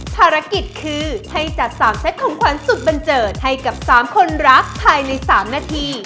ภารกิจคือให้จัด๓เซตของขวัญสุดบันเจิดให้กับ๓คนรักภายใน๓นาที